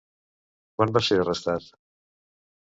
Quan va ser arrestat?